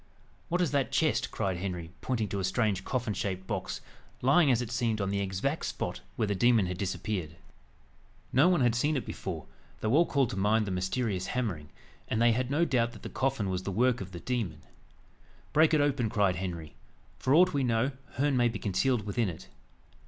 "What is that chest?" cried Henry, pointing to a strange coffin shaped box, lying, as it seemed, on the exact spot where the demon had disappeared. No one had seen it before, though all called to mind the mysterious hammering; and they had no doubt that the coffin was the work of the demon. "Break it open," cried Henry; "for aught we know, Herne may be concealed within it."